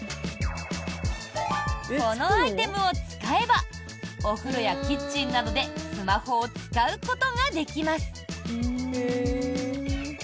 このアイテムを使えばお風呂やキッチンなどでスマホを使うことができます。